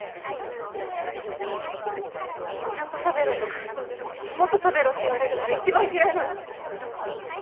私ちゃんと食べろとかもっと食べろって言われるのが一番嫌いなの。